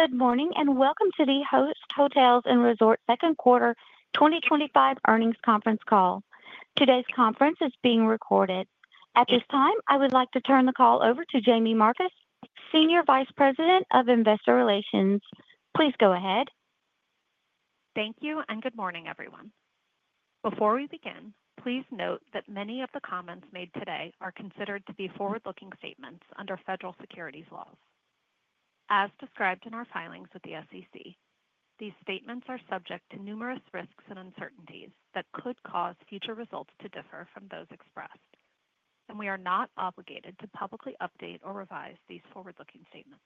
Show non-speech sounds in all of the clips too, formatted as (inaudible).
Good morning and welcome to the Host Hotels & Resorts second quarter 2025 earnings conference call. Today's conference is being recorded. At this time, I would like to turn the call over to Jaime Marcus, Senior Vice President of Investor Relations. Please go ahead. Thank you and good morning, everyone. Before we begin, please note that many of the comments made today are considered to be forward-looking statements under federal securities laws. As described in our filings with the SEC, these statements are subject to numerous risks and uncertainties that could cause future results to differ from those expressed, and we are not obligated to publicly update or revise these forward-looking statements.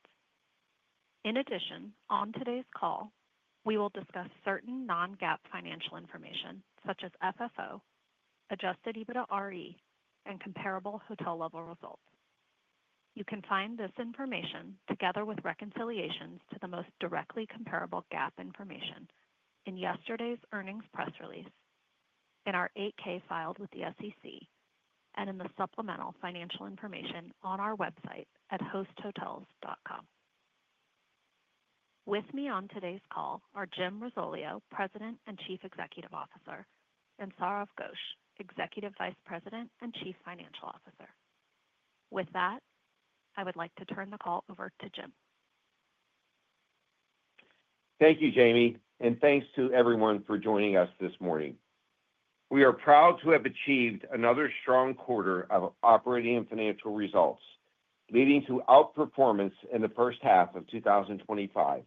In addition, on today's call, we will discuss certain non-GAAP financial information such as FFO, adjusted EBITDAre, and comparable hotel-level results. You can find this information together with reconciliations to the most directly comparable GAAP information in yesterday's earnings press release, in our 8-K filed with the SEC, and in the supplemental financial information on our website at hosthotels.com. With me on today's call are Jim Risoleo, President and Chief Executive Officer, and Sourav Ghosh, Executive Vice President and Chief Financial Officer. With that, I would like to turn the call over to Jim. Thank you, Jaime, and thanks to everyone for joining us this morning. We are proud to have achieved another strong quarter of operating and financial results, leading to out performance in the first half of 2025.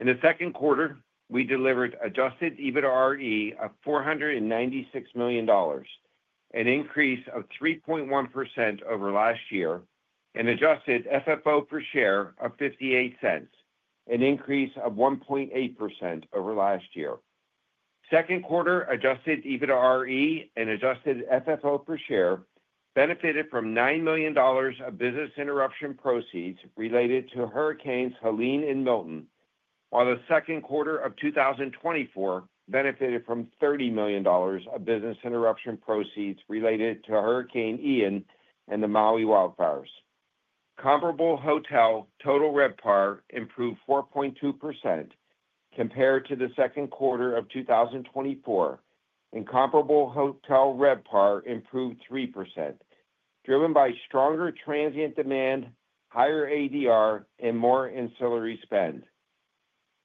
In the second quarter, we delivered adjusted EBITDAre of $496 million, an increase of 3.1% over last year, and adjusted FFO per share of $0.58, an increase of 1.8% over last year. Second quarter adjusted EBITDAre and adjusted FFO per share benefited from $9 million of business interruption proceeds related to Hurricanes Helene and Milton, while the second quarter of 2024 benefited from $30 million of business interruption proceeds related to Hurricane Ian and the Maui wildfires. Comparable hotel total RevPAR improved 4.2% compared to the second quarter of 2024, and comparable hotel RevPAR improved 3%, driven by stronger transient demand, higher ADR, and more ancillary spend.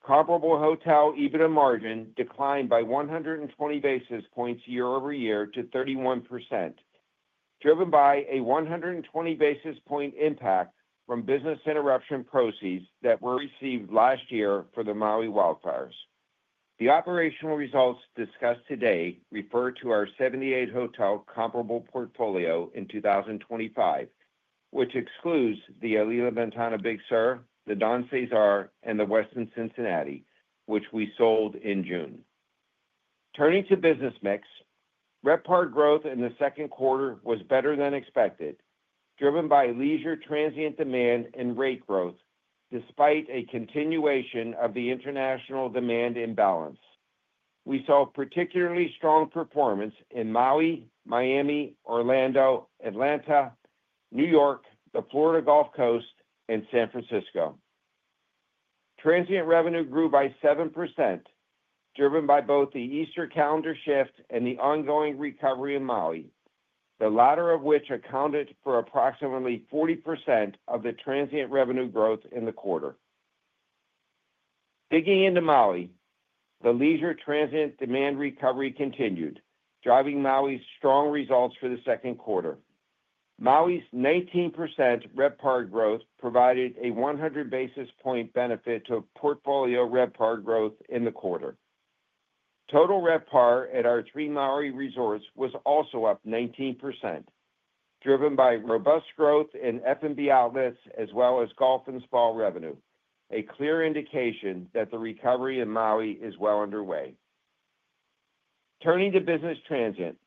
Comparable hotel EBITDA margin declined by 120 basis points year-over-year to 31%, driven by a 120 basis point impact from business interruption proceeds that were received last year for the Maui wildfires. The operational results discussed today refer to our 78 hotel comparable portfolio in 2025, which excludes the Alila Ventana Big Sur, the Don Cesar, and the Westin Cincinnati, which we sold in June. Turning to business mix, RevPAR growth in the second quarter was better than expected, driven by leisure transient demand and rate growth despite a continuation of the international demand imbalance. We saw particularly strong performance in Maui, Miami, Orlando, Atlanta, New York, the Florida Gulf Coast, and San Francisco. Transient revenue grew by 7%, driven by both the Easter calendar shift and the ongoing recovery in Maui, the latter of which accounted for approximately 40% of the transient revenue growth in the quarter. Digging into Maui, the leisure transient demand recovery continued, driving Maui's strong results for the second quarter. Maui's 19% RevPAR growth provided a 100 basis point benefit to portfolio RevPAR growth in the quarter. Total RevPAR at our three Maui resorts was also up 19%, driven by robust growth in F&B outlets as well as golf and spa revenue, a clear indication that the recovery in Maui is well underway. Turning to business transient,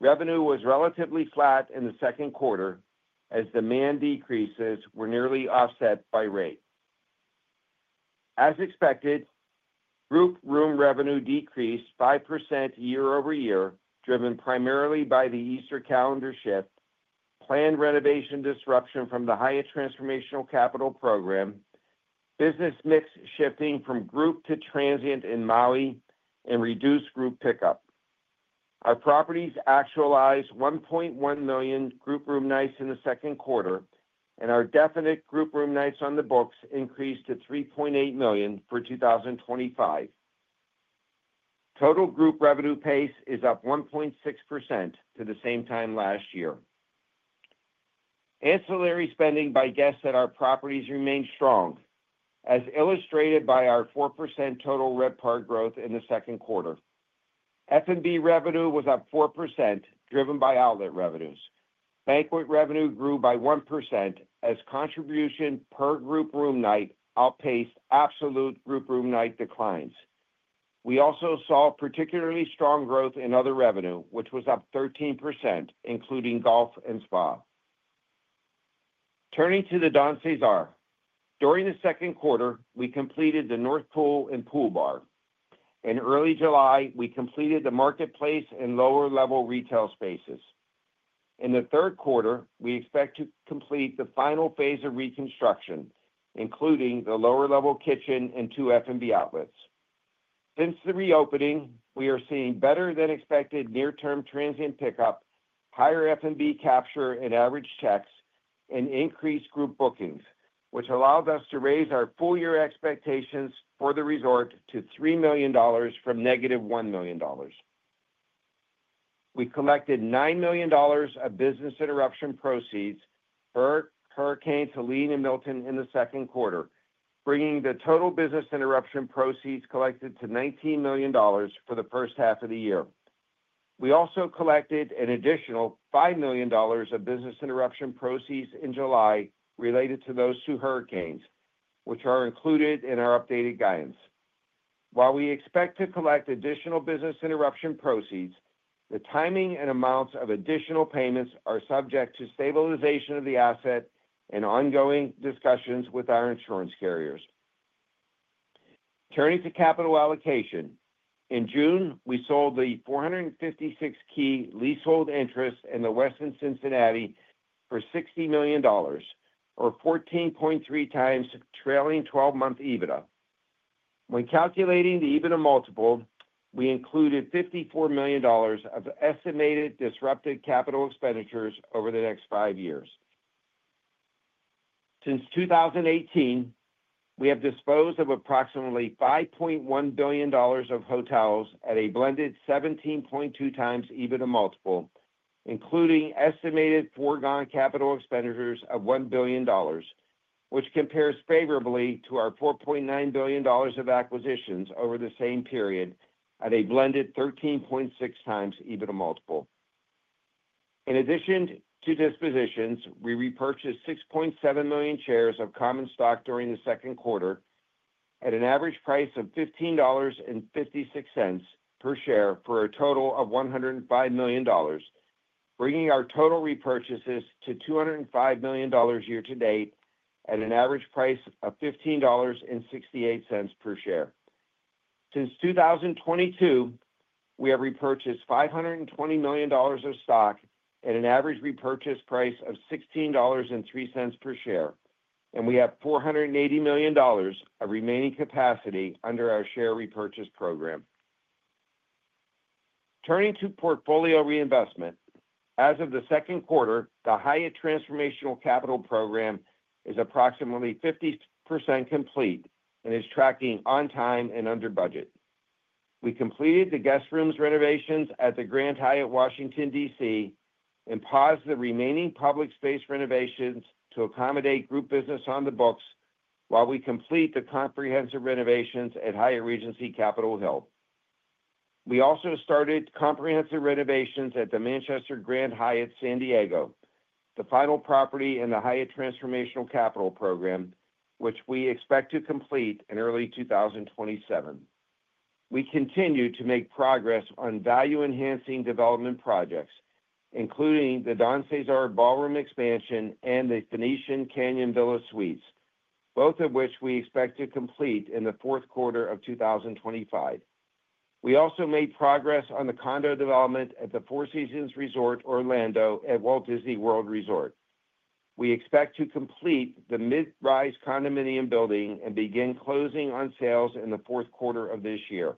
revenue was relatively flat in the second quarter as demand decreases were nearly offset by rate, as expected. Group room revenue decreased 5% year-over-year, driven primarily by the Easter calendar shift, planned renovation disruption from the Hyatt Transformational Capital Program, business mix shifting from group to transient in Maui, and reduced group pickup. Our properties actualized 1.1 million group room nights in the second quarter, and our definite group room nights on the books increased to 3.8 million for 2025. Total group revenue pace is up 1.6% to the same time last year. Ancillary spending by guests at our properties remained strong, as illustrated by our 4% total RevPAR growth in the second quarter. F&B revenue was up 4%, driven by outlet revenues. Banquet revenue grew by 1% as contribution per group room night outpaced absolute group room night declines. We also saw particularly strong growth in other revenue, which was up 13%, including golf and spa. Turning to the Don Cesar, during the second quarter, we completed the North Pool and Pool Bar. In early July, we completed the marketplace and lower-level retail spaces. In the third quarter, we expect to complete the final phase of reconstruction, including the lower-level kitchen and two F&B outlets. Since the reopening, we are seeing better-than-expected near-term transient pickup, higher F&B capture and average checks, and increased group bookings, which allowed us to raise our full-year expectations for the resort to $3 million from -$1 million. We collected $9 million of business interruption proceeds for Hurricane Helene and Milton in the second quarter, bringing the total business interruption proceeds collected to $19 million for the first half of the year. We also collected an additional $5 million of business interruption proceeds in July related to those two hurricanes, which are included in our updated guidance. While we expect to collect additional business interruption proceeds, the timing and amounts of additional payments are subject to stabilization of the asset and ongoing discussions with our insurance carriers. Turning to capital allocation, in June, we sold the 456-key leasehold interest in the Westin Cincinnati for $60 million, or 14.3x trailing 12-month EBITDA. When calculating the EBITDA multiple, we included $54 million of estimated disrupted capital expenditures over the next five years. Since 2018, we have disposed of approximately $5.1 billion of hotels at a blended 17.2x EBITDA multiple, including estimated foregone capital expenditures of $1 billion. Which compares favorably to our $4.9 billion of acquisitions over the same period at a blended 13.6x EBITDA multiple. In addition to dispositions, we repurchased 6.7 million shares of common stock during the second quarter at an average price of $15.56 per share for a total of $105 million, bringing our total repurchases to $205 million year to date at an average price of $15.68 per share. Since 2022, we have repurchased $520 million of stock at an average repurchase price of $16.03 per share, and we have $480 million of remaining capacity under our share repurchase program. Turning to portfolio reinvestment, as of the second quarter, the Hyatt Transformational Capital Program is approximately 50% complete and is tracking on time and under budget. We completed the guest room renovations at the Grand Hyatt, Washington, D.C., and paused the remaining public space renovations to accommodate group business on the books while we complete the comprehensive renovations at Hyatt Regency Capitol Hill. We also started comprehensive renovations at the Manchester Grand Hyatt, San Diego, the final property in the Hyatt Transformational Capital Program, which we expect to complete in early 2027. We continue to make progress on value-enhancing development projects, including the Don Cesar Ballroom expansion and the Phoenician Canyon Villa Suites, both of which we expect to complete in the fourth quarter of 2025. We also made progress on the condo development at the Four Seasons Resort Orlando at Walt Disney World Resort. We expect to complete the Mid-Rise Condominium Building and begin closing on sales in the fourth quarter of this year.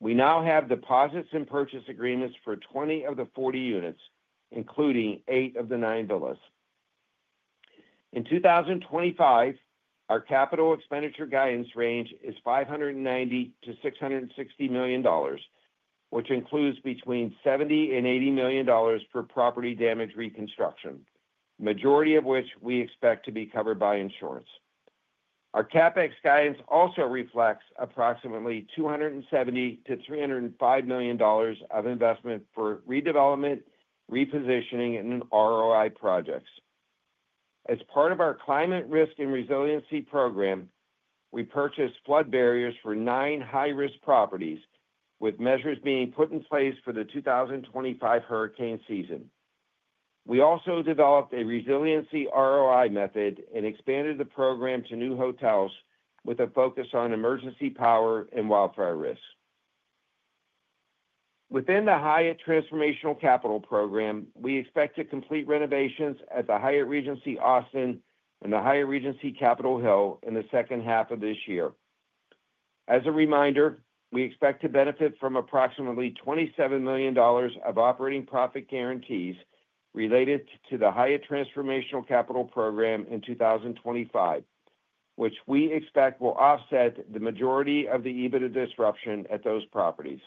We now have deposits and purchase agreements for 20 of the 40 units, including 8 of the 9 villas. In 2025, our capital expenditure guidance range is $590 million-$660 million, which includes between $70 and $80 million for property damage reconstruction, the majority of which we expect to be covered by insurance. Our CapEx guidance also reflects approximately $270 million-$305 million of investment for redevelopment, repositioning, and ROI projects. As part of our Climate Risk and Resiliency Program, we purchased flood barriers for nine high-risk properties, with measures being put in place for the 2025 hurricane season. We also developed a resiliency ROI method and expanded the program to new hotels with a focus on emergency power and wildfire risk. Within the Hyatt Transformational Capital Program, we expect to complete renovations at the Hyatt Regency Austin and the Hyatt Regency Capitol Hill in the second half of this year. As a reminder, we expect to benefit from approximately $27 million of operating profit guarantees related to the Hyatt Transformational Capital Program in 2025, which we expect will offset the majority of the EBITDA disruption at those properties.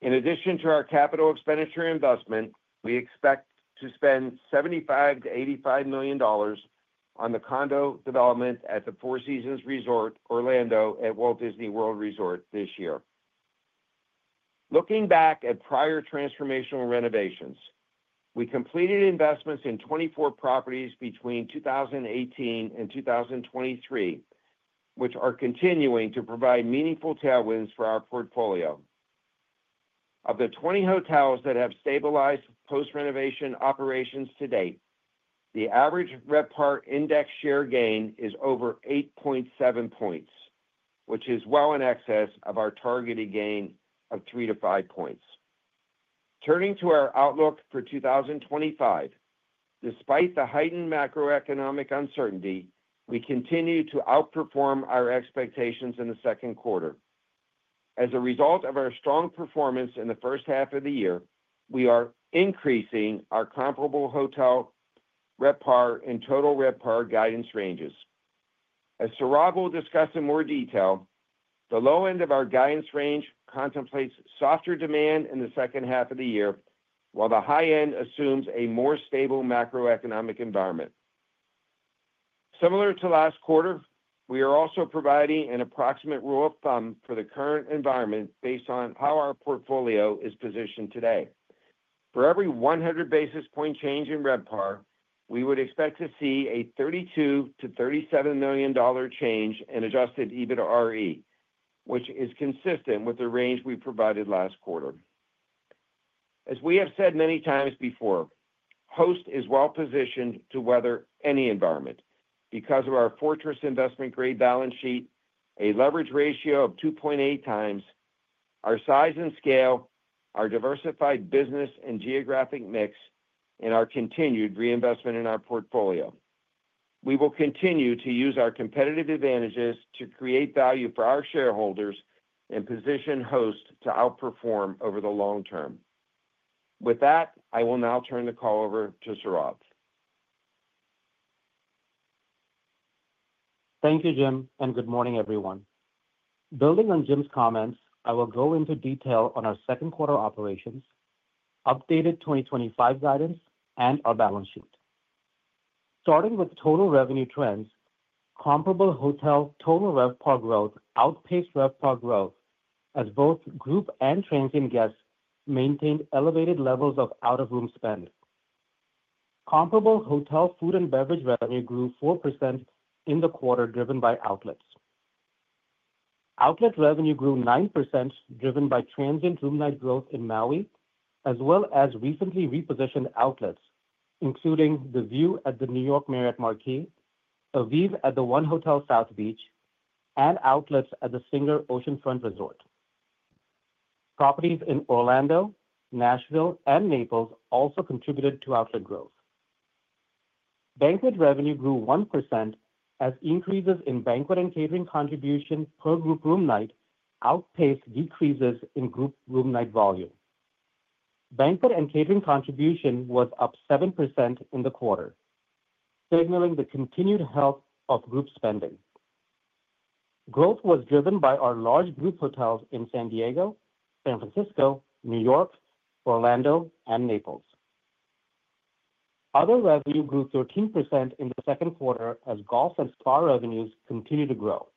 In addition to our capital expenditure investment, we expect to spend $75 million-$85 million on the condo development at the Four Seasons Resort Orlando at Walt Disney World Resort this year. Looking back at prior transformational renovations, we completed investments in 24 properties between 2018 and 2023, which are continuing to provide meaningful tailwinds for our portfolio. Of the 20 hotels that have stabilized post-renovation operations to date, the average RevPAR index share gain is over 8.7 points, which is well in excess of our targeted gain of 3 to 5 points. Turning to our outlook for 2025, despite the heightened macro-economic uncertainty, we continue to outperform our expectations in the second quarter. As a result of our strong performance in the first half of the year, we are increasing our comparable hotel RevPAR and total RevPAR guidance ranges. As Sourav will discuss in more detail, the low end of our guidance range contemplates softer demand in the second half of the year, while the high end assumes a more stable macro-economic environment. Similar to last quarter, we are also providing an approximate rule of thumb for the current environment based on how our portfolio is positioned today. For every 100 basis point change in RevPAR, we would expect to see a $32 million-$37 million change in adjusted EBITDAre, which is consistent with the range we provided last quarter. As we have said many times before, Host is well positioned to weather any environment because of our Fortress Investment Grade balance sheet, a leverage ratio of 2.8 times, our size and scale, our diversified business and geographic mix, and our continued reinvestment in our portfolio. We will continue to use our competitive advantages to create value for our shareholders and position Host to outperform over the long term. With that, I will now turn the call over to Sourav. Thank you, Jim, and good morning, everyone. Building on Jim's comments, I will go into detail on our second quarter operations, updated 2025 guidance, and our balance sheet. Starting with total revenue trends, comparable hotel total RevPAR growth outpaced RevPAR growth as both group and transient guests maintained elevated levels of out-of-room spend. Comparable hotel food and beverage revenue grew 4% in the quarter, driven by outlets. Outlet revenue grew 9%, driven by transient room night growth in Maui, as well as recently repositioned outlets, including The View at the New York Marriott Marquis, AVIV at the 1 Hotels South Beach, and outlets at the Singer Oceanfront Resort. Properties in Orlando, Nashville, and Naples also contributed to outlet growth. Banquet revenue grew 1% as increases in banquet and catering contribution per group room night outpaced decreases in group room night volume. Banquet and catering contribution was up 7% in the quarter, signaling the continued health of group spending. Growth was driven by our large group hotels in San Diego, San Francisco, New York, Orlando, and Naples. Other revenue grew 13% in the second quarter as golf and spa revenues continued to grow.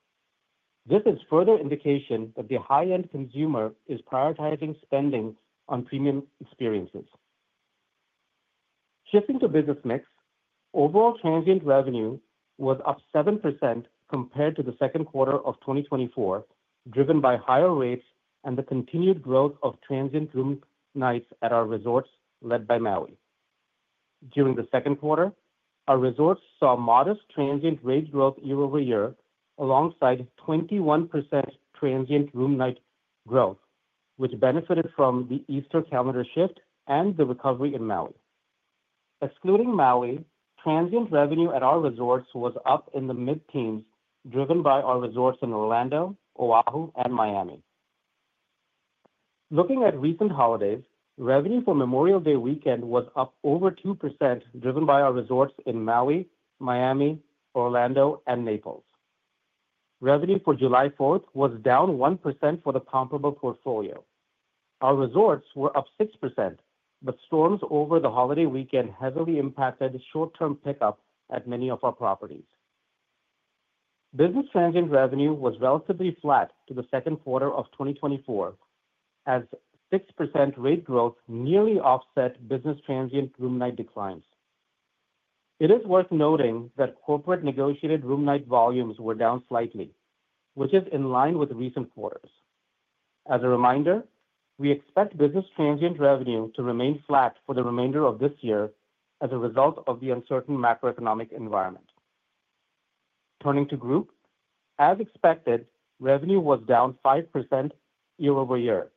This is further indication that the high-end consumer is prioritizing spending on premium experiences. Shifting to business mix, overall transient revenue was up 7% compared to the second quarter of 2024, driven by higher rates and the continued growth of transient room nights at our resorts led by Maui. During the second quarter, our resorts saw modest transient rate growth year-over-year alongside 21% transient room night growth, which benefited from the Easter calendar shift and the recovery in Maui. Excluding Maui, transient revenue at our resorts was up in the mid-teens, driven by our resorts in Orlando, Oahu, and Miami. Looking at recent holidays, revenue for Memorial Day weekend was up over 2%, driven by our resorts in Maui, Miami, Orlando, and Naples. Revenue for July 4th was down 1% for the comparable portfolio. Our resorts were up 6%, but storms over the holiday weekend heavily impacted short-term pickup at many of our properties. Business transient revenue was relatively flat to the second quarter of 2024, as 6% rate growth nearly offset business transient room night declines. It is worth noting that corporate negotiated room night volumes were down slightly, which is in line with recent quarters. As a reminder, we expect business transient revenue to remain flat for the remainder of this year as a result of the uncertain macro-economic environment. Turning to group, as expected, revenue was down 5% year-over-year,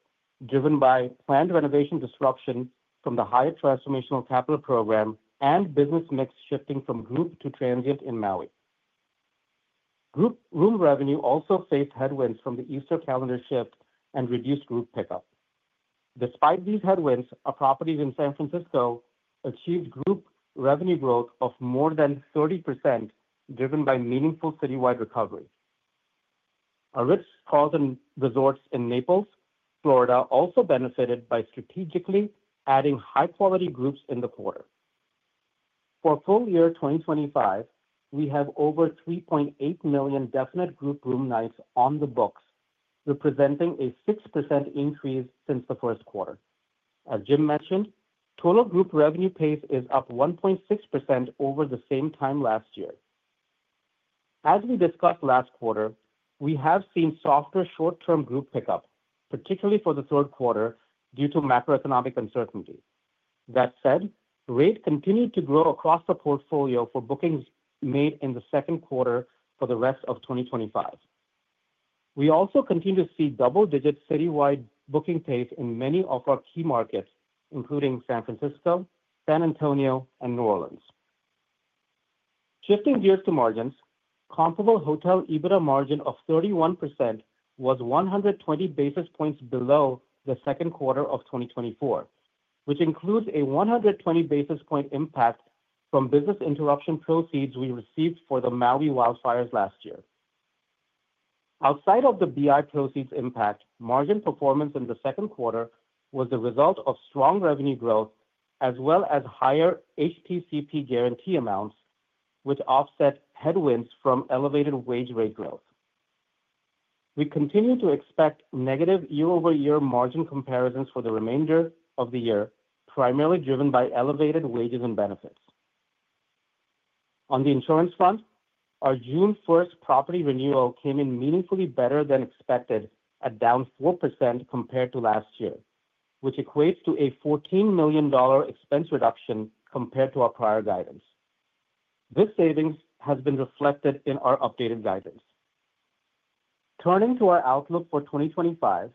driven by planned renovation disruption from the Hyatt Transformational Capital Program and business mix shifting from group to transient in Maui. Group room revenue also faced headwinds from the Easter calendar shift and reduced group pickup. Despite these headwinds, our properties in San Francisco achieved group revenue growth of more than 30%, driven by meaningful citywide recovery. A Ritz-Carlton Resort in Naples, Florida, also benefited by strategically adding high-quality groups in the quarter. For full year 2025, we have over 3.8 million definite group room nights on the books, representing a 6% increase since the first quarter. As Jim mentioned, total group revenue pace is up 1.6% over the same time last year. As we discussed last quarter, we have seen softer short-term group pickup, particularly for the third quarter, due to macro-economic uncertainty. That said, rate continued to grow across the portfolio for bookings made in the second quarter for the rest of 2025. We also continue to see double-digit citywide booking pace in many of our key markets, including San Francisco, San Antonio, and New Orleans. Shifting gears to margins, comparable hotel EBITDA margin of 31% was 120 basis points below the second quarter of 2024, which includes a 120 basis point impact from business interruption proceeds we received for the Maui wildfires last year. Outside of the BI proceeds impact, margin performance in the second quarter was the result of strong revenue growth as well as higher HTC guarantee amounts, which offset headwinds from elevated wage rate growth. We continue to expect negative year-over-year margin comparisons for the remainder of the year, primarily driven by elevated wages and benefits. On the insurance front, our June 1st property renewal came in meaningfully better than expected at down 4% compared to last year, which equates to a $14 million expense reduction compared to our prior guidance. This savings has been reflected in our updated guidance. Turning to our outlook for 2025,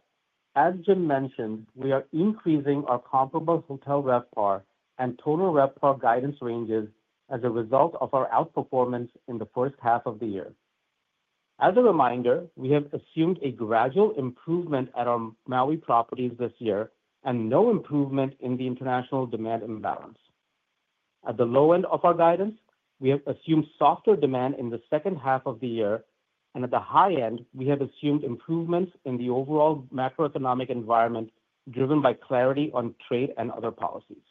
as Jim mentioned, we are increasing our comparable hotel RevPAR and total RevPAR guidance ranges as a result of our outperformance in the first half of the year. As a reminder, we have assumed a gradual improvement at our Maui properties this year and no improvement in the international demand imbalance. At the low end of our guidance, we have assumed softer demand in the second half of the year, and at the high end, we have assumed improvements in the overall macroeconomic environment, driven by clarity on trade and other policies.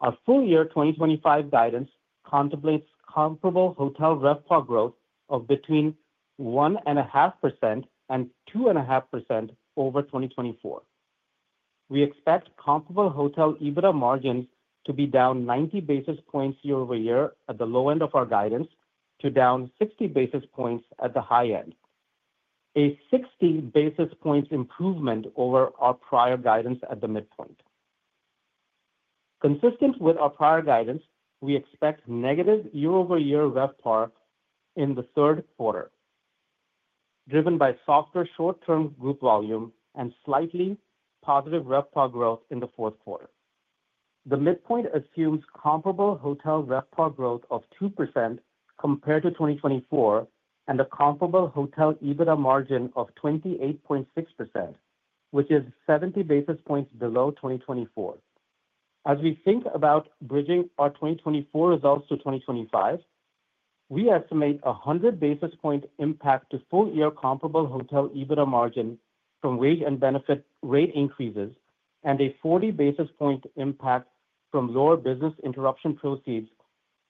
Our full year 2025 guidance contemplates comparable hotel RevPAR growth of between 1.5% and 2.5% over 2024. We expect comparable hotel EBITDA margins to be down 90 basis points year-over-year at the low end of our guidance to down 60 basis points at the high end, a 60 basis point improvement over our prior guidance at the midpoint. Consistent with our prior guidance, we expect negative year-over-year RevPAR in the third quarter, driven by softer short-term group volume and slightly positive RevPAR growth in the fourth quarter. The midpoint assumes comparable hotel RevPAR growth of 2% compared to 2024 and a comparable hotel EBITDA margin of 28.6%, which is 70 basis points below 2024. As we think about bridging our 2024 results to 2025, we estimate a 100 basis point impact to full year comparable hotel EBITDA margin from wage and benefit rate increases and a 40 basis point impact from lower business interruption proceeds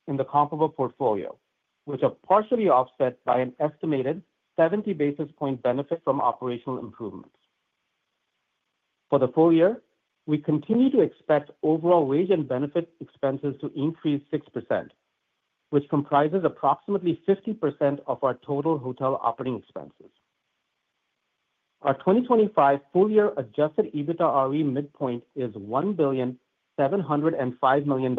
in the comparable portfolio, which are partially offset by an estimated 70 basis point benefit from operational improvements. For the full year, we continue to expect overall wage and benefit expenses to increase 6%, which comprises approximately 50% of our total hotel operating expenses. Our 2025 full year adjusted EBITDAre midpoint is $1.705 billion.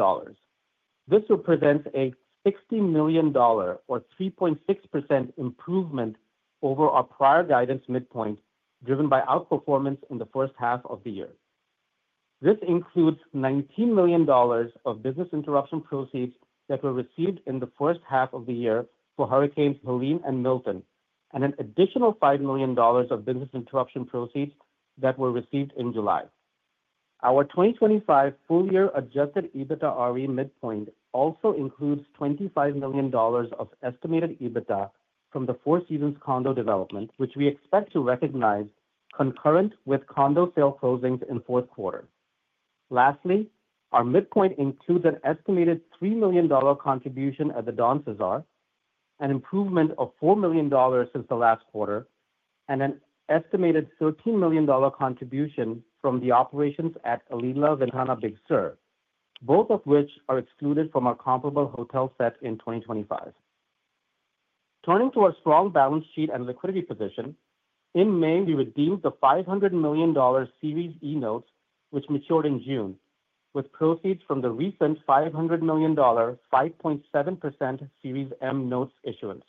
This represents a $60 million, or 3.6%, improvement over our prior guidance midpoint, driven by outperformance in the first half of the year. This includes $19 million of business interruption proceeds that were received in the first half of the year for Hurricanes Helene and Milton, and an additional $5 million of business interruption proceeds that were received in July. Our 2025 full year adjusted EBITDAre midpoint also includes $25 million of estimated EBITDA from the Four Seasons Resort Orlando condo development, which we expect to recognize concurrent with condo sale closings in fourth quarter. Lastly, our midpoint includes an estimated $3 million contribution at the Don Cesar, an improvement of $4 million since the last quarter, and an estimated $13 million contribution from the operations at Alila Ventana Big Sur, both of which are excluded from our comparable hotel set in 2025. Turning to our strong balance sheet and liquidity position, in May, we redeemed the $500 million Series E notes, which matured in June, with proceeds from the recent $500 million 5.7% Series M notes issuance.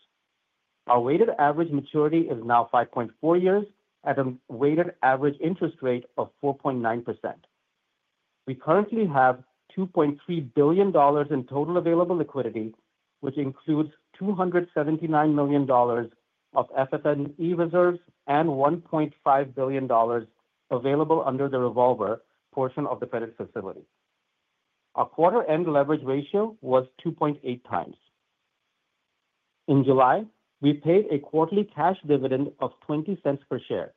Our weighted average maturity is now 5.4 years at a weighted average interest rate of 4.9%. We currently have $2.3 billion in total available liquidity, which includes $279 million of FF&E reserves and $1.5 billion available under the revolver portion of the credit facility. Our quarter-end leverage ratio was 2.8x. In July, we paid a quarterly cash dividend of $0.20 per share.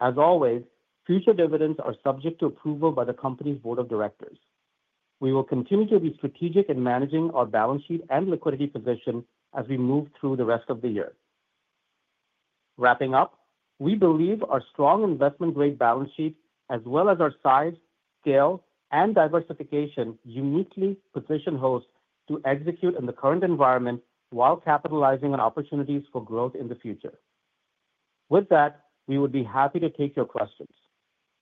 As always, future dividends are subject to approval by the company's board of directors. We will continue to be strategic in managing our balance sheet and liquidity position as we move through the rest of the year. Wrapping up, we believe our strong investment grade balance sheet, as well as our size, scale, and diversification, uniquely position Host to execute in the current environment while capitalizing on opportunities for growth in the future. With that, we would be happy to take your questions.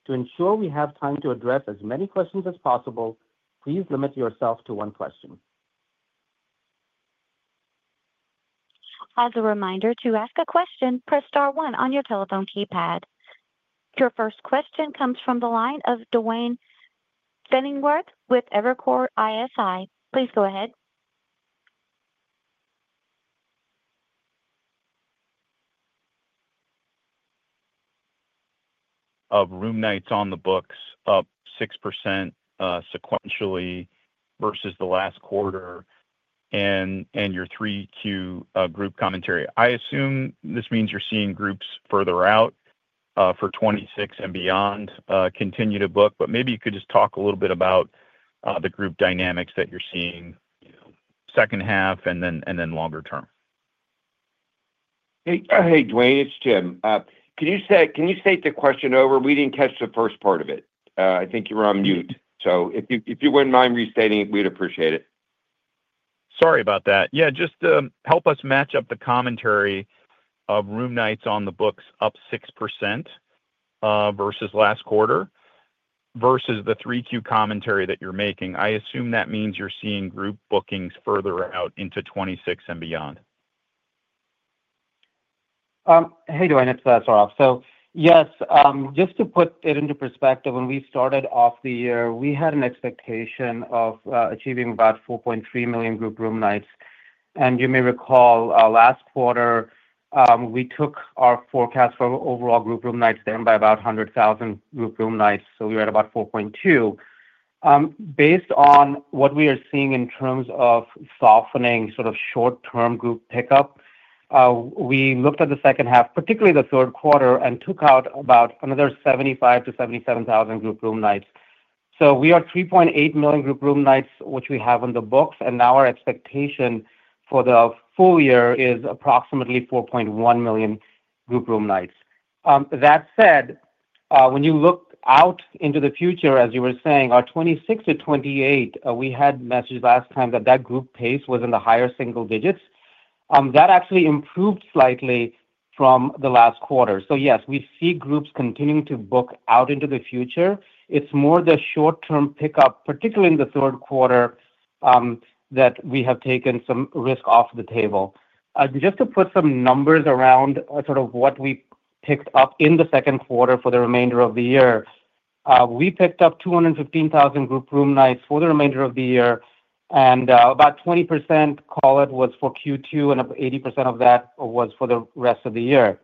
To ensure we have time to address as many questions as possible, please limit yourself to one question. As a reminder, to ask a question, press star one on your telephone keypad. Your first question comes from the line of Duane Pfennigwerth with Evercore ISI. Please go ahead. Of room nights on the books up 6% sequentially versus the last quarter and your 3Q group commentary. I assume this means you're seeing groups further out for 2026 and beyond continue to book, but maybe you could just talk a little bit about the group dynamics that you're seeing second half and then longer term. Hey, Duane, it's Jim. Can you state the question over? We didn't catch the first part of it. I think you were on mute. If you wouldn't mind restating it, we'd appreciate it. Sorry about that. Yeah, just help us match up the commentary of room nights on the books up 6% versus last quarter versus the 3Q commentary that you're making. I assume that means you're seeing group bookings further out into 2026 and beyond. Hey, Duane, it's Sourav. Yes, just to put it into perspective, when we started off the year, we had an expectation of achieving about 4.3 million group room nights. You may recall last quarter, we took our forecast for overall group room nights down by about 100,000 group room nights, so we were at about 4.2. Based on what we are seeing in terms of softening short-term group pickup, we looked at the second half, particularly the third quarter, and took out about another 75,000 to 77,000 group room nights. We are 3.8 million group room nights, which we have on the books, and now our expectation for the full year is approximately 4.1 million group room nights. That said, when you look out into the future, as you were saying, our 2026 to 2028, we had messaged last time that that group pace was in the higher single digits. That actually improved slightly from the last quarter. Yes, we see groups continuing to book out into the future. It is more the short-term pickup, particularly in the third quarter, that we have taken some risk off the table. Just to put some numbers around what we picked up in the second quarter for the remainder of the year, we picked up 215,000 group room nights for the remainder of the year, and about 20% was for Q2, and 80% of that was for the rest of the year.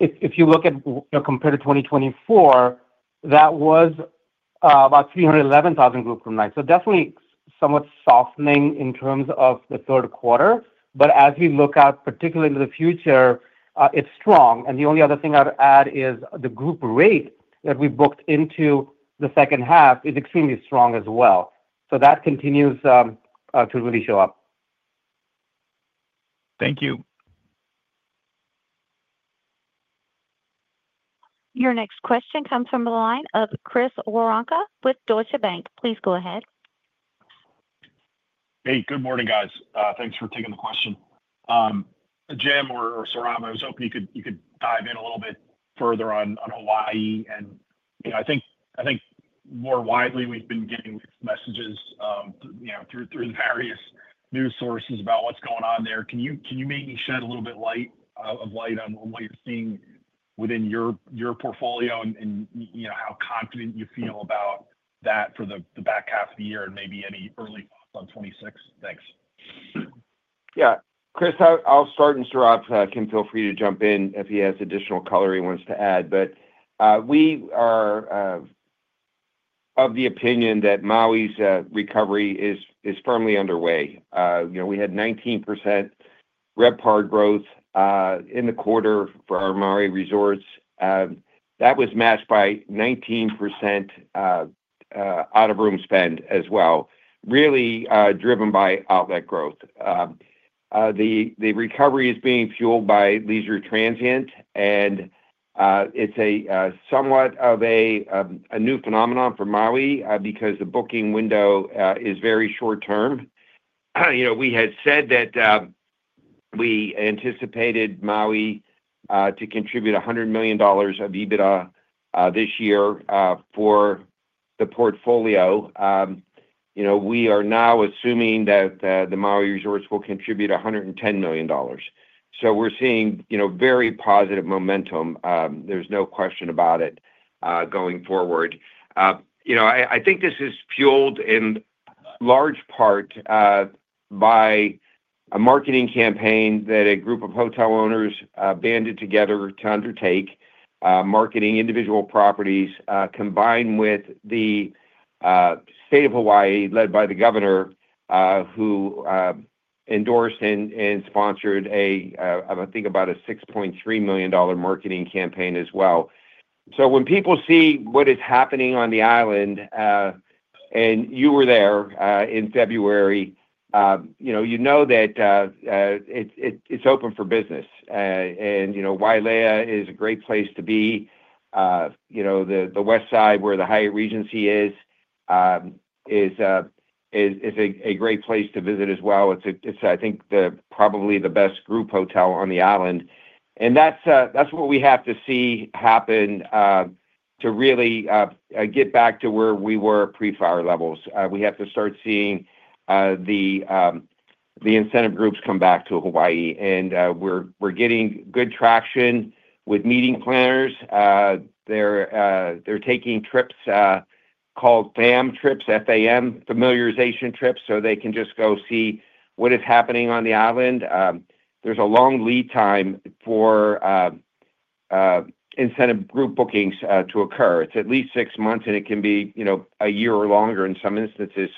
If you look at compared to 2024, that was about 311,000 group room nights. There is definitely somewhat softening in terms of the third quarter, but as we look out, particularly into the future, it is strong. The only other thing I would add is the group rate that we booked into the second half is extremely strong as well. That continues to really show up. Thank you. Your next question comes from the line of Chris Woronka with Deutsche Bank. Please go ahead. Hey, good morning, guys. Thanks for taking the question. Jim or Sourav, I was hoping you could dive in a little bit further on Hawaii. I think more widely we have been getting messages through the various news sources about what is going on there. Can you maybe shed a little bit of light on what you are seeing within your portfolio and how confident you feel about that for the back half of the year and maybe any early thoughts on 2026? Thanks. Yeah. Chris, I will start, and Sourav can feel free to jump in if he has additional color he wants to add. We are of the opinion that Maui's recovery is firmly underway. We had 19% RevPAR growth in the quarter for our Maui resorts. That was matched by 19% out-of-room spend as well, really driven by outlet growth. The recovery is being fueled by leisure transient, and it is somewhat of a new phenomenon for Maui because the booking window is very short-term. We had said that. We anticipated Maui to contribute $100 million of EBITDA this year for the portfolio. We are now assuming that the Maui resorts will contribute $110 million. We're seeing very positive momentum. There's no question about it going forward. I think this is fueled in large part by a marketing campaign that a group of hotel owners banded together to undertake, marketing individual properties combined with the state of Hawaii led by the governor, who endorsed and sponsored, I think, about a $6.3 million marketing campaign as well. When people see what is happening on the island, and you were there in February, you know that it's open for business and Wailea is a great place to be. The west side where the Hyatt Regency is, is a great place to visit as well. It's, I think, probably the best group hotel on the island. That's what we have to see happen to really get back to where we were pre-fire levels. We have to start seeing the incentive groups come back to Hawaii, and we're getting good traction with meeting planners. They're taking trips called FAM trips, FAM, familiarization trips, so they can just go see what is happening on the island. There's a long lead time for incentive group bookings to occur. It's at least six months, and it can be a year or longer in some instances.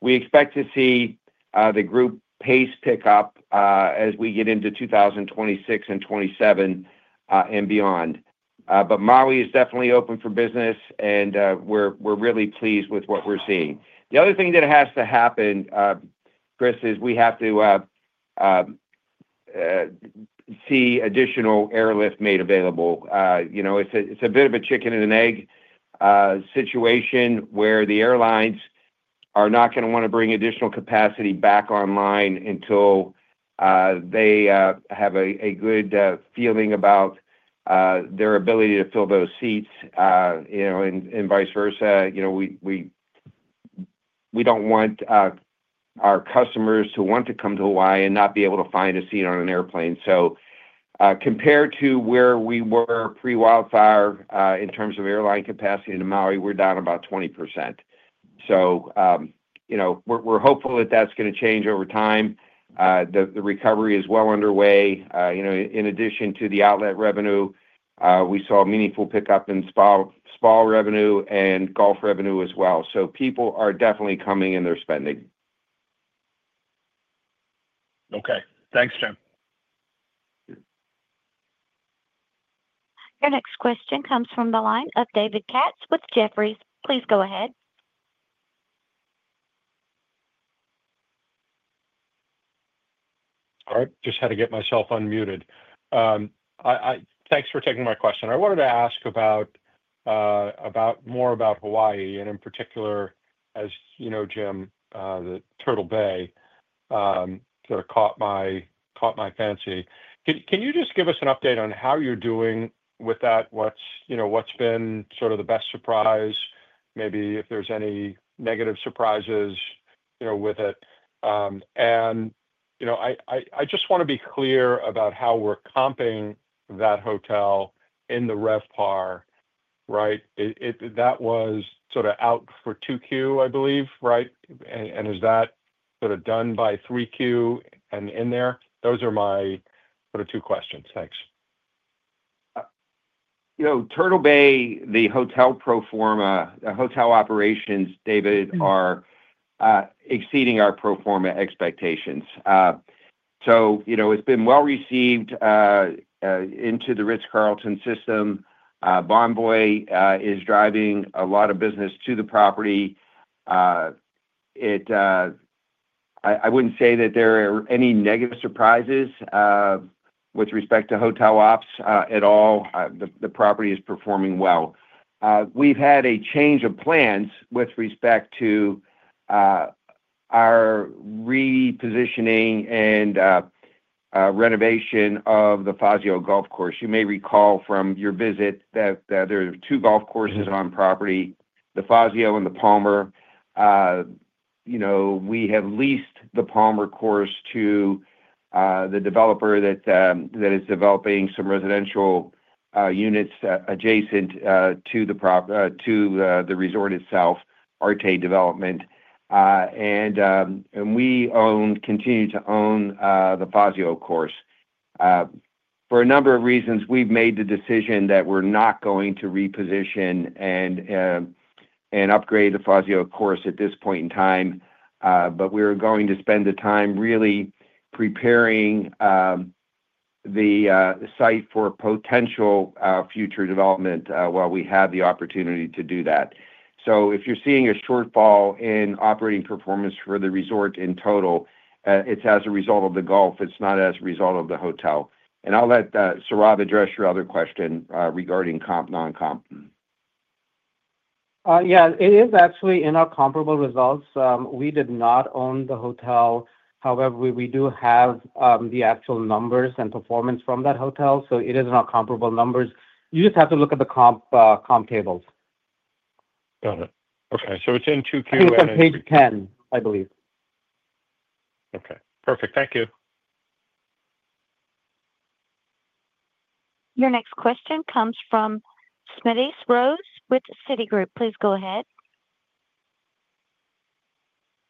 We expect to see the group pace pick up as we get into 2026 and 2027 and beyond. Maui is definitely open for business, and we're really pleased with what we're seeing. The other thing that has to happen, Chris, is we have to see additional airlift made available. It's a bit of a chicken and an egg situation where the airlines are not going to want to bring additional capacity back online until they have a good feeling about their ability to fill those seats, and vice versa. We don't want our customers to want to come to Hawaii and not be able to find a seat on an airplane. Compared to where we were pre-wildfire in terms of airline capacity in Maui, we're down about 20%. We're hopeful that that's going to change over time. The recovery is well underway. In addition to the outlet revenue, we saw meaningful pickup in spa revenue and golf revenue as well. People are definitely coming and they're spending. Okay. Thanks, Jim. Your next question comes from the line of David Katz with Jefferies. Please go ahead. All right. Just had to get myself unmuted. Thanks for taking my question. I wanted to ask about more about Hawaii, and in particular. As you know, Jim, the Turtle Bay sort of caught my fancy. Can you just give us an update on how you're doing with that? What's been sort of the best surprise, maybe if there's any negative surprises with it? I just want to be clear about how we're comping that hotel in the RevPAR, right? That was sort of out for 2Q, I believe, right? Is that sort of done by 3Q and in there? Those are my sort of two questions. Thanks. Turtle Bay, the hotel pro forma, the hotel operations, David, are exceeding our pro forma expectations. It's been well received into the Ritz-Carlton system. Bonvoy is driving a lot of business to the property. I wouldn't say that there are any negative surprises with respect to hotel ops at all. The property is performing well. We've had a change of plans with respect to our repositioning and renovation of the Fazio Golf Course. You may recall from your visit that there are two golf courses on property, the Fazio and the Palmer. We have leased the Palmer Course to the developer that is developing some residential units adjacent to the resort itself, Arte Development, and we continue to own the Fazio Course. For a number of reasons, we've made the decision that we're not going to reposition and upgrade the Fazio Course at this point in time. We're going to spend the time really preparing the site for potential future development while we have the opportunity to do that. If you're seeing a shortfall in operating performance for the resort in total, it's as a result of the golf. It's not as a result of the hotel. I'll let Sourav address your other question regarding comp, non-comp. Yeah. It is actually in our comparable results. We did not own the hotel. However, we do have the actual numbers and performance from that hotel. It is in our comparable numbers. You just have to look at the comp tables. Got it. Okay. So it's in 2Q and it's on page 10, I believe. Okay. Perfect. Thank you. Your next question comes from Smedes Rose with Citigroup. Please go ahead.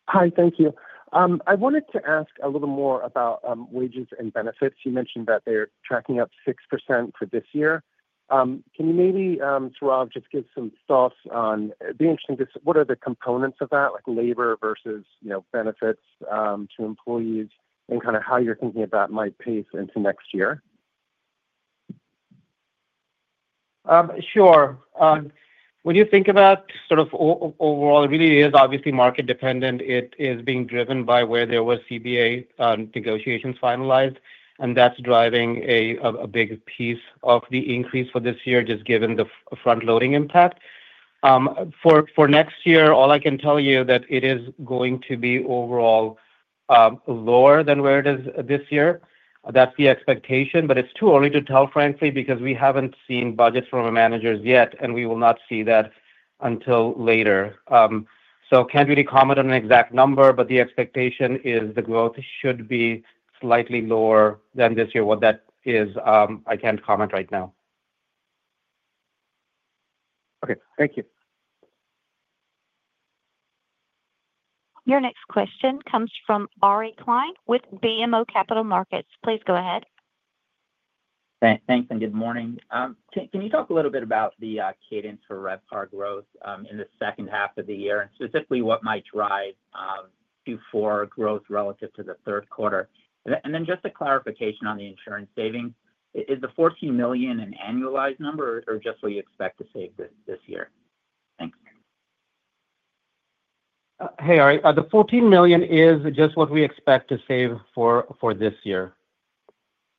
Hi. Thank you. I wanted to ask a little more about wages and benefits. You mentioned that they're tracking up 6% for this year. Can you maybe, Sourav, just give some thoughts on what are the components of that, like labor versus benefits to employees and kind of how you're thinking about my pace into next year? Sure. When you think about sort of overall, it really is obviously market dependent. It is being driven by where there were CBA negotiations finalized, and that's driving a big piece of the increase for this year, just given the front-loading impact. For next year, all I can tell you is that it is going to be overall lower than where it is this year. That's the expectation. It's too early to tell, frankly, because we haven't seen budgets from managers yet, and we will not see that until later. I can't really comment on an exact number, but the expectation is the growth should be slightly lower than this year. What that is, I can't comment right now. Thank you. Your next question comes from Ari Klein with BMO Capital Markets. Please go ahead. Thanks. Good morning. Can you talk a little bit about the cadence for RevPAR growth in the second half of the year and specifically what might drive Q4 growth relative to the third quarter? Just a clarification on the insurance savings. Is the $14 million an annualized number, or just what you expect to save this year? Thanks. Hey, Ari. The $14 million is just what we expect to save for this year.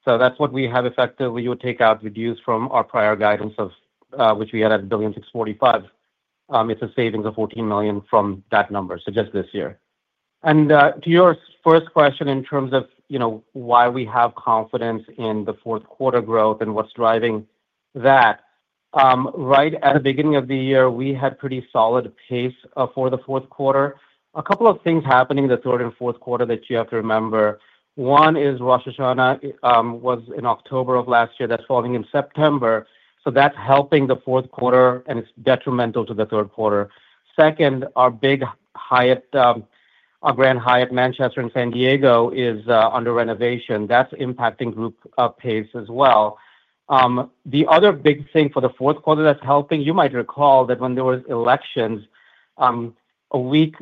That's what we have effectively—we would take out, reduce from our prior guidance of which we had at $1.645 billion. It's a savings of $14 million from that number, so just this year. To your first question in terms of why we have confidence in the fourth quarter growth and what's driving that. Right at the beginning of the year, we had pretty solid pace for the fourth quarter. A couple of things happening in the third and fourth quarter that you have to remember. One is Rosh Hashanah was in October of last year. That's falling in September. That's helping the fourth quarter, and it's detrimental to the third quarter. Second, our Grand Hyatt Manchester in San Diego is under renovation. That's impacting group pace as well. The other big thing for the fourth quarter that's helping, you might recall that when there were elections, a week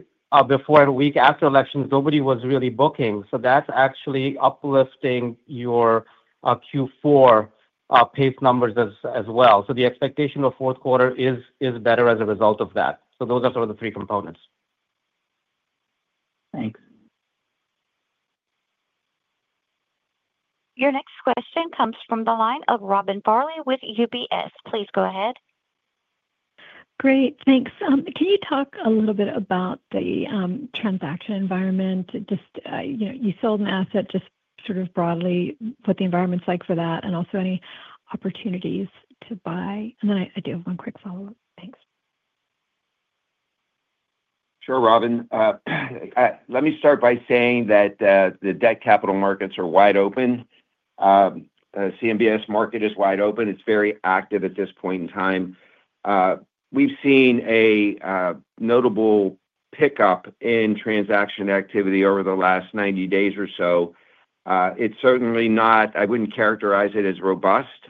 before and a week after elections, nobody was really booking. That's actually uplifting your Q4 pace numbers as well. The expectation of fourth quarter is better as a result of that. Those are sort of the three components. Thanks. Your next question comes from the line of Robin Farley with UBS. Please go ahead. Great. Thanks. Can you talk a little bit about the transaction environment? You sold an asset, just sort of broadly what the environment's like for that and also any opportunities to buy. I do have one quick follow-up. Thanks. Sure, Robin. Let me start by saying that the debt capital markets are wide open. The CMBS market is wide open. It's very active at this point in time. We've seen a notable pickup in transaction activity over the last 90 days or so. It's certainly not, I wouldn't characterize it as robust.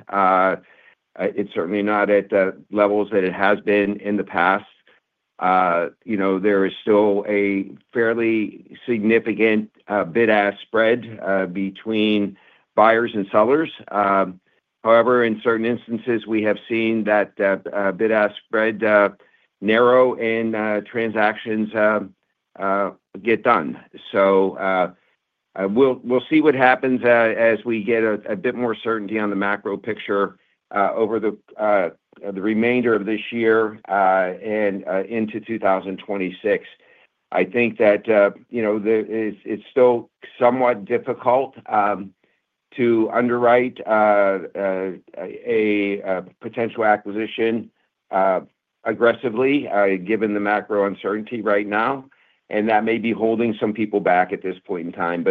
It's certainly not at the levels that it has been in the past. There is still a fairly significant bid-ask spread between buyers and sellers. However, in certain instances, we have seen that bid-ask spread narrow and transactions get done. We'll see what happens as we get a bit more certainty on the macro picture over the remainder of this year and into 2026. I think that it's still somewhat difficult to underwrite a potential acquisition aggressively, given the macro uncertainty right now. That may be holding some people back at this point in time.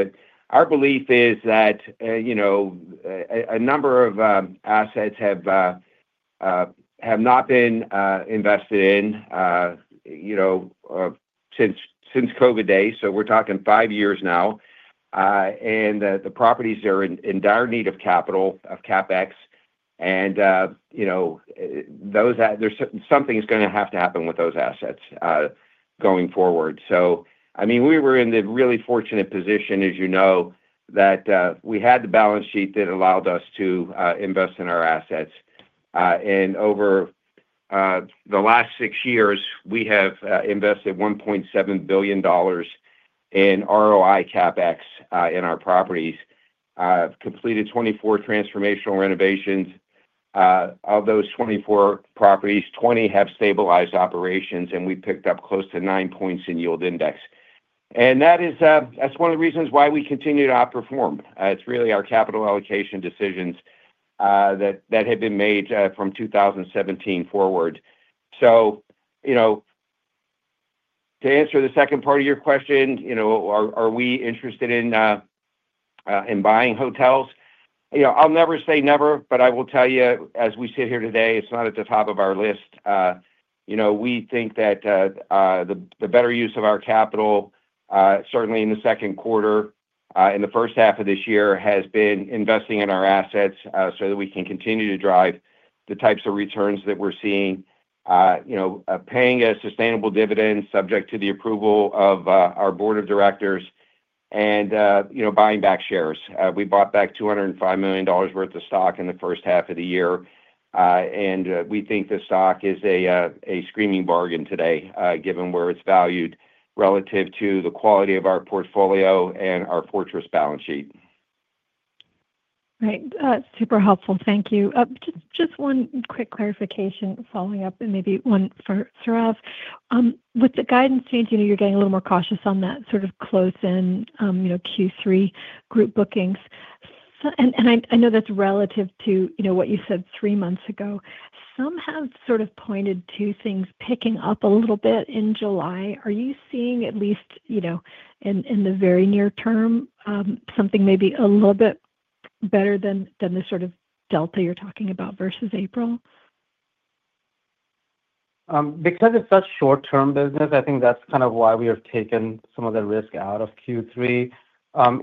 Our belief is that a number of assets have not been invested in since COVID days. We're talking five years now, and the properties are in dire need of capital, of CapEx. Something's going to have to happen with those assets going forward. We were in the really fortunate position, as you know, that we had the balance sheet that allowed us to invest in our assets. Over the last six years, we have invested $1.7 billion in ROI CapEx in our properties, completed 24 transformational renovations. Of those 24 properties, 20 have stabilized operations, and we've picked up close to 9 points in yield index. That's one of the reasons why we continue to outperform. It's really our capital allocation decisions that have been made from 2017 forward. To answer the second part of your question, are we interested in buying hotels? I'll never say never, but I will tell you, as we sit here today, it's not at the top of our list. We think that the better use of our capital, certainly in the second quarter, in the first half of this year, has been investing in our assets so that we can continue to drive the types of returns that we're seeing, paying a sustainable dividend subject to the approval of our board of directors, and buying back shares. We bought back $205 million worth of stock in the first half of the year, and we think the stock is a screaming bargain today, given where it's valued relative to the quality of our portfolio and our Fortress balance sheet. Right. That's super helpful. Thank you. Just one quick clarification following up, and maybe one for Sourav. With the guidance change, you're getting a little more cautious on that sort of close-in Q3 group bookings. I know that's relative to what you said three months ago. Some have pointed to things picking up a little bit in July. Are you seeing at least in the very near term something maybe a little bit better than the sort of delta you're talking about versus April? Because it's such short-term business, I think that's kind of why we have taken some of the risk out of Q3.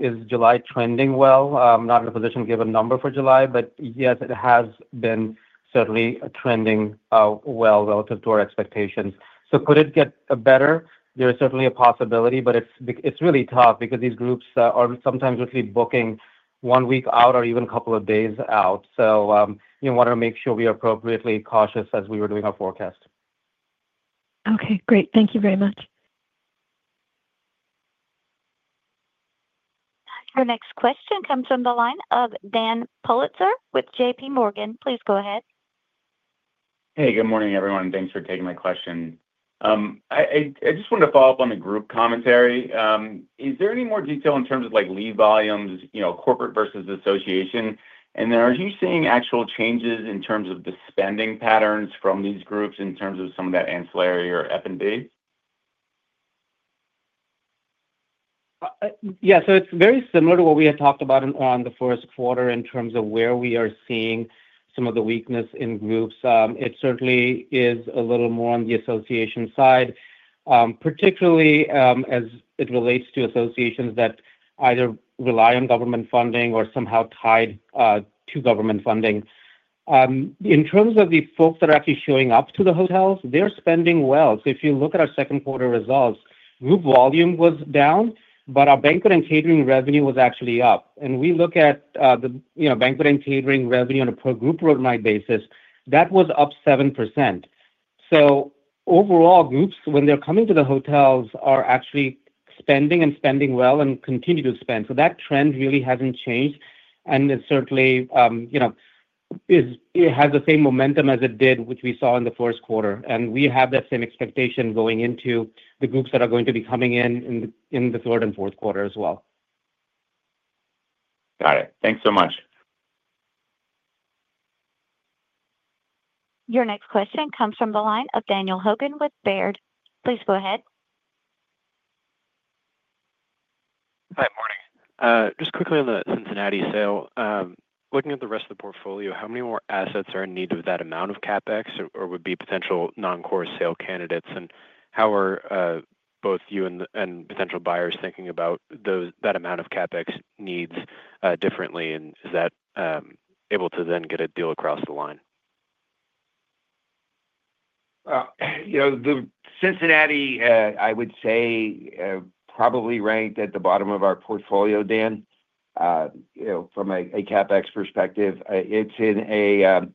Is July trending well? I'm not in a position to give a number for July, but yes, it has been certainly trending well relative to our expectations. Could it get better? There is certainly a possibility, but it's really tough because these groups are sometimes literally booking one week out or even a couple of days out. We want to make sure we are appropriately cautious as we were doing our forecast. Great. Thank you very much. Your next question comes from the line of Dan Politzer with JPMorgan. Please go ahead. Hey, good morning, everyone. Thanks for taking my question. I just wanted to follow up on the group commentary. Is there any more detail in terms of lead volumes, corporate versus association? Are you seeing actual changes in terms of the spending patterns from these groups in terms of some of that ancillary or F&B? Yeah. It's very similar to what we had talked about on the first quarter in terms of where we are seeing some of the weakness in groups. It certainly is a little more on the association side, particularly as it relates to associations that either rely on government funding or are somehow tied to government funding. In terms of the folks that are actually showing up to the hotels, they're spending well. If you look at our second quarter results, group volume was down, but our banquet and catering revenue was actually up. We look at the banquet and catering revenue on a per-group room night basis, that was up 7%. Overall, groups, when they're coming to the hotels, are actually spending and spending well and continue to spend. That trend really hasn't changed. It has the same momentum as it did, which we saw in the first quarter. We have that same expectation going into the groups that are going to be coming in in the third and fourth quarter as well. Got it. Thanks so much. Your next question comes from the line of Daniel Hogan with Baird. Please go ahead. Hi. Morning. Just quickly on the Cincinnati sale. Looking at the rest of the portfolio, how many more assets are in need of that amount of CapEx or would be potential non-core sale candidates? How are both you and potential buyers thinking about that amount of CapEx needs differently? Is that able to then get a deal across the line? The Cincinnati, I would say, probably ranked at the bottom of our portfolio, Dan. From a CapEx perspective, it's in a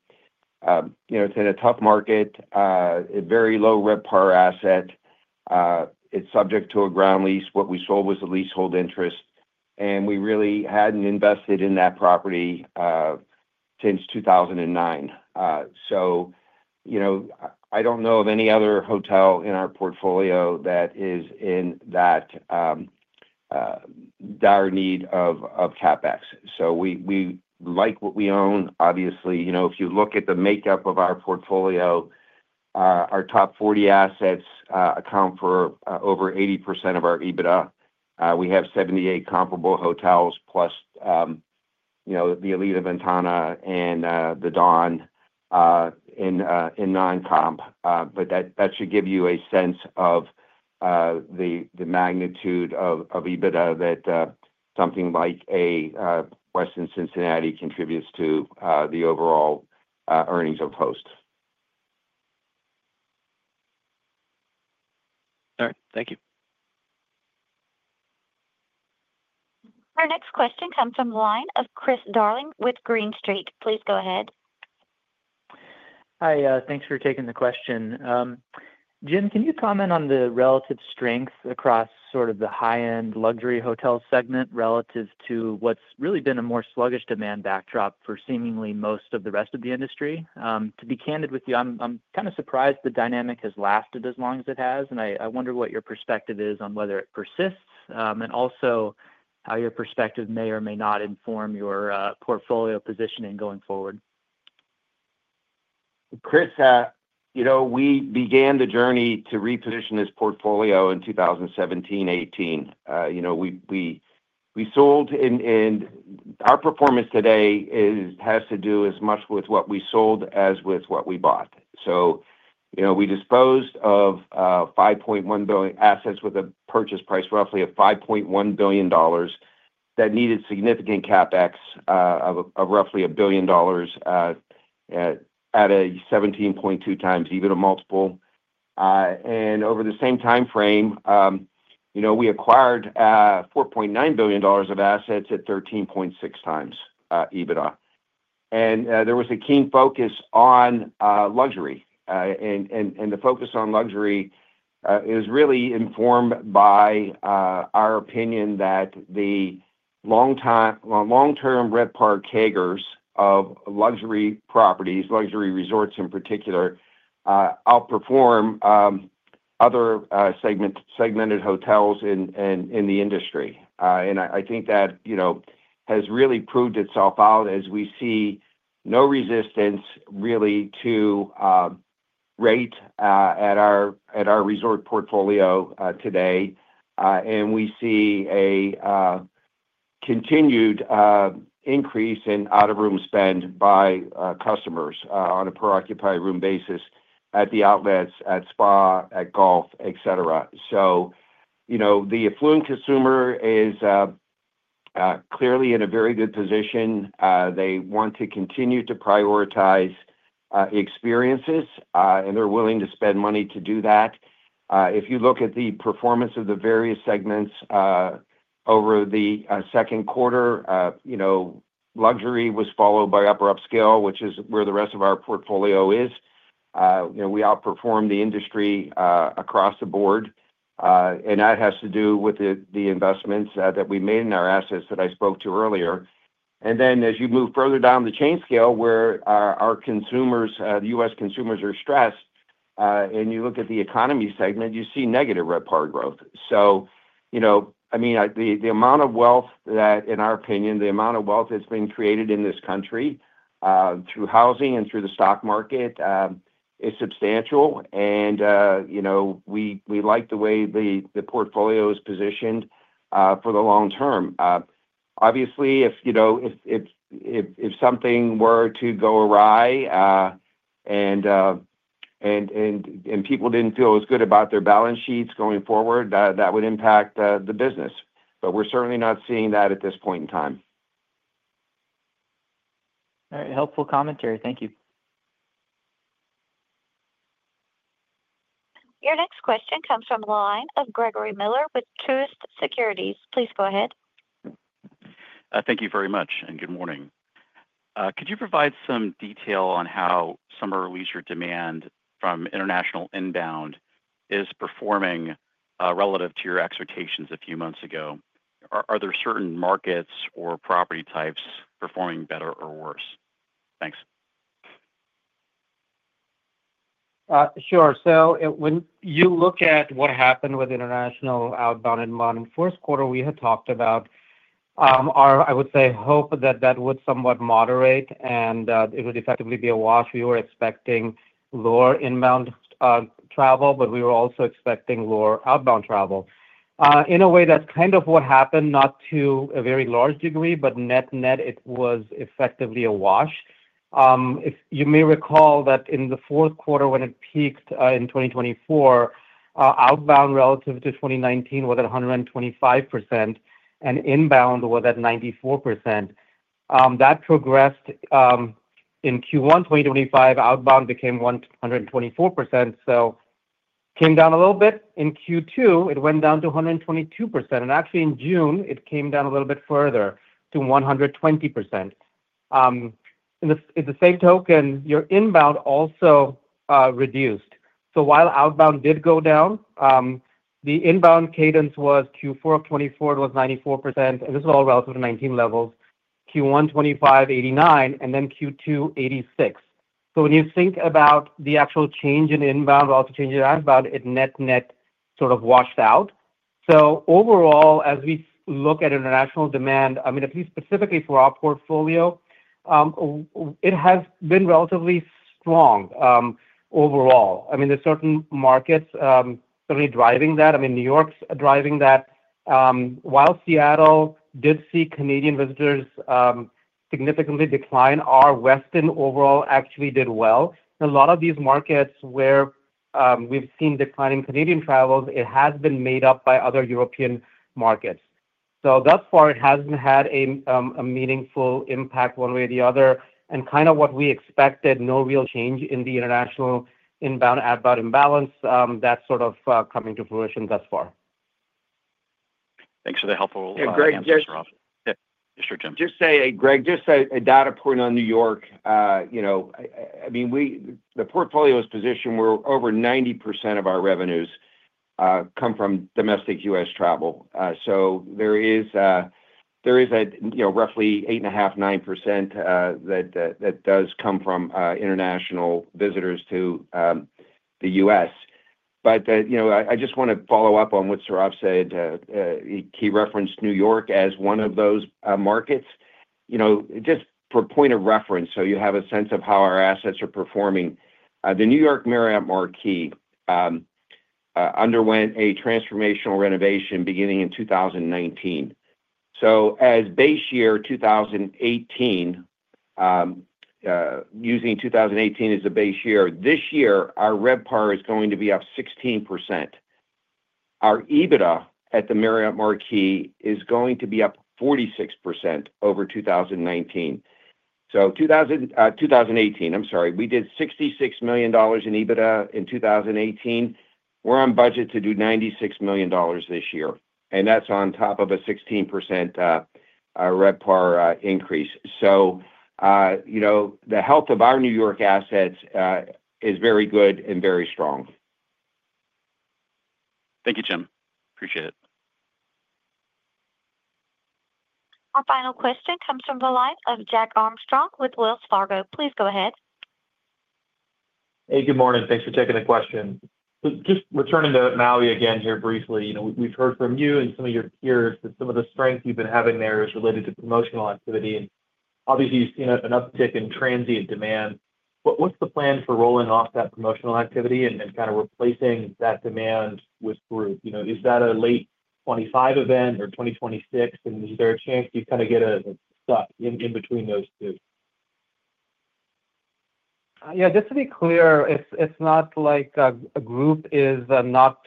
tough market. A very low RevPAR asset. It's subject to a ground lease. What we sold was a leasehold interest. We really hadn't invested in that property since 2009. I don't know of any other hotel in our portfolio that is in that dire need of CapEx. We like what we own. Obviously, if you look at the makeup of our portfolio, our top 40 assets account for over 80% of our EBITDA. We have 78 comparable hotels plus the Alila Ventana and the Don in non-comp. That should give you a sense of the magnitude of EBITDA that something like a Westin Cincinnati contributes to the overall earnings of Host. All right. Thank you. Our next question comes from the line of Chris Darling with Green Street. Please go ahead. Hi. Thanks for taking the question. Jim, can you comment on the relative strength across sort of the high-end luxury hotel segment relative to what's really been a more sluggish demand backdrop for seemingly most of the rest of the industry? To be candid with you, I'm kind of surprised the dynamic has lasted as long as it has. I wonder what your perspective is on whether it persists and also how your perspective may or may not inform your portfolio positioning going forward. Chris, we began the journey to reposition this portfolio in 2017, 2018. We sold, and our performance today has to do as much with what we sold as with what we bought. We disposed of $5.1 billion assets with a purchase price roughly of $5.1 billion that needed significant CapEx of roughly $1 billion at a 17.2x EBITDA multiple. Over the same timeframe, we acquired $4.9 billion of assets at 13.6x EBITDA. There was a keen focus on luxury. The focus on luxury is really informed by our opinion that the long-term RevPAR CAGRs of luxury properties, luxury resorts in particular, outperform other segmented hotels in the industry. I think that has really proved itself out as we see no resistance really to rate at our resort portfolio today. We see a continued increase in out-of-room spend by customers on a per-occupied room basis at the outlets, at spa, at golf, etc. The affluent consumer is clearly in a very good position. They want to continue to prioritize experiences, and they're willing to spend money to do that. If you look at the performance of the various segments over the second quarter, luxury was followed by Upper Upscale, which is where the rest of our portfolio is. We outperformed the industry across the board, and that has to do with the investments that we made in our assets that I spoke to earlier. As you move further down the chain scale, where our consumers, the U.S. consumers, are stressed, and you look at the economy segment, you see negative RevPAR growth. The amount of wealth that's been created in this country through housing and through the stock market is substantial. We like the way the portfolio is positioned for the long term. Obviously, if something were to go awry and people didn't feel as good about their balance sheets going forward, that would impact the business. We're certainly not seeing that at this point in time. All right. Helpful commentary. Thank you. Your next question comes from the line of Gregory Miller with Truist Securities. Please go ahead. Thank you very much, and good morning. Could you provide some detail on how summer leisure demand from international inbound is performing relative to your expectations a few months ago? Are there certain markets or property types performing better or worse? Thanks. Sure. When you look at what happened with international outbound and inbound, in the first quarter, we had talked about our, I would say, hope that that would somewhat moderate, and it would effectively be a wash. We were expecting lower inbound travel, but we were also expecting lower outbound travel. In a way, that's kind of what happened, not to a very large degree, but net net, it was effectively a wash. You may recall that in the fourth quarter, when it peaked in 2024, outbound relative to 2019 was at 125%, and inbound was at 94%. That progressed. In Q1 2025, outbound became 124%, so it came down a little bit. In Q2, it went down to 122%. In June, it came down a little bit further to 120%. In the same token, your inbound also reduced. While outbound did go down, the inbound cadence was Q4 of 2024, it was 94%. This is all relative to 2019 levels. Q1 2025, 89, and then Q2, 86. When you think about the actual change in inbound relative to change in outbound, it net net sort of washed out. Overall, as we look at international demand, at least specifically for our portfolio, it has been relatively strong. There are certain markets certainly driving that. New York's driving that. While Seattle did see Canadian visitors significantly decline, our Western overall actually did well. In a lot of these markets where we've seen declining Canadian travels, it has been made up by other European markets. Thus far, it hasn't had a meaningful impact one way or the other. Kind of what we expected, no real change in the international inbound outbound imbalance, that's sort of coming to fruition thus far. Thanks for the helpful—yeah. (crosstalk) Just say, Greg, just a data point on New York. The portfolio is positioned where over 90% of our revenues come from domestic U.S. travel. There is a roughly 8.5%, 9% that does come from international visitors to the U.S. I just want to follow up on what Sourav said. He referenced New York as one of those markets. Just for point of reference, so you have a sense of how our assets are performing. The New York Marriott Marquis underwent a transformational renovation beginning in 2019. Using 2018 as a base year, this year, our RevPAR is going to be up 16%. Our EBITDA at the Marriott Marquis is going to be up 46% over 2019. 2018, I'm sorry, we did $66 million in EBITDA in 2018. We're on budget to do $96 million this year. That's on top of a 16% RevPAR increase. The health of our New York assets is very good and very strong. Thank you, Jim. Appreciate it. Our final question comes from the line of Jack Armstrong with Wells Fargo. Please go ahead. Hey, good morning. Thanks for taking the question. Just returning to Maui again here briefly, we've heard from you and some of your peers that some of the strength you've been having there is related to promotional activity. Obviously, you've seen an uptick in transient demand. What's the plan for rolling off that promotional activity and kind of replacing that demand with group? Is that a late 2025 event or 2026? Is there a chance you kind of get stuck in between those two? Yeah. Just to be clear, it's not like a group is not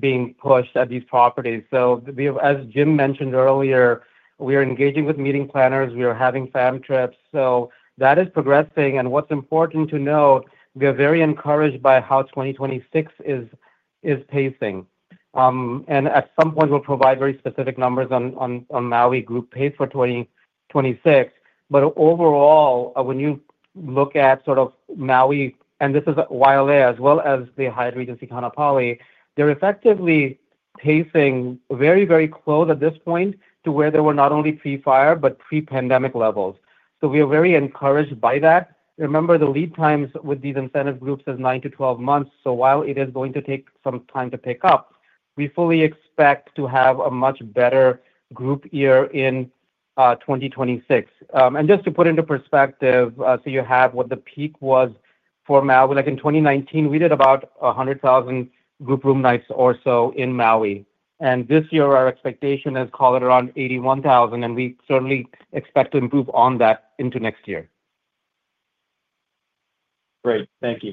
being pushed at these properties. As Jim mentioned earlier, we are engaging with meeting planners. We are having fam trips, so that is progressing. What's important to note, we are very encouraged by how 2026 is pacing. At some point, we'll provide very specific numbers on Maui group pace for 2026. Overall, when you look at Maui, and this is Wailea as well as the Hyatt Regency Kaanapali, they're effectively pacing very, very close at this point to where they were not only pre-fire, but pre-pandemic levels. We are very encouraged by that. Remember, the lead times with these incentive groups is 9 to 12 months. While it is going to take some time to pick up, we fully expect to have a much better group year in 2026. Just to put into perspective, so you have what the peak was for Maui. In 2019, we did about 100,000 group room nights or so in Maui. This year, our expectation is called at around 81,000, and we certainly expect to improve on that into next year. Great. Thank you.